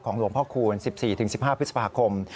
หลวงพ่อคูณ๑๔๑๕พฤษภาคม